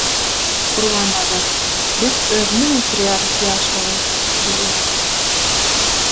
Gurbannazar «Biz özümiz ýitirýäris ýaşlygy» diýýär.